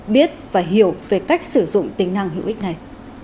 biết và hiểu về cách sử dụng tính năng hữu ích này